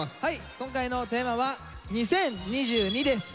今回のテーマは「２０２２」です。